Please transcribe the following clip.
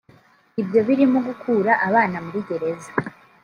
Ibyo birimo gukura abana muri gereza